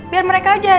biar mereka aja